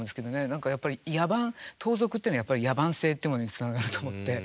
何かやっぱり野蛮盗賊っていうのはやっぱり野蛮性っていうものにつながると思って。